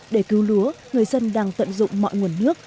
để cứu lúa người dân đang tận dụng mọi nguồn nước